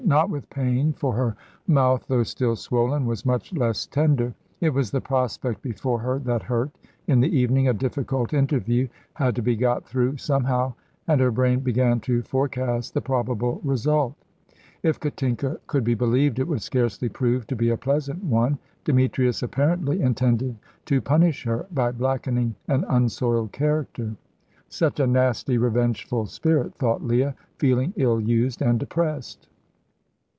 Not with pain, for her mouth, though still swollen, was much less tender. It was the prospect before her that hurt. In the evening a difficult interview had to be got through somehow, and her brain began to forecast the probable result. If Katinka could be believed it would scarcely prove to be a pleasant one. Demetrius apparently intended to punish her by blackening an unsoiled character. "Such a nasty, revengeful spirit," thought Leah, feeling ill used and depressed.